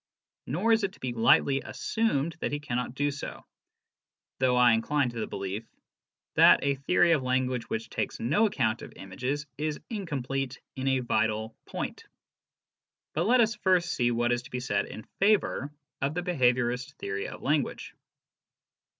IS or is. it to be lightly assumed that he cannot do so, though I incline to the belief that a theory of language which takes no account of images is incomplete in a vital point. But let us first see what is to be said in favour of the behaviourist theory of language.